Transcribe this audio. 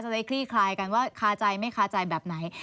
ได้คลี่คลายกันว่าคาใจไม่คาใจแบบไหน